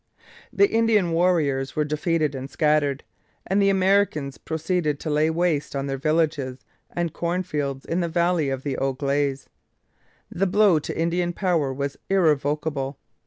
The Indian warriors were defeated and scattered, and the Americans proceeded to lay waste their villages and cornfields in the valley of the Au Glaize. The blow to Indian power was irrevocable.